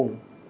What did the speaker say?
cái này là một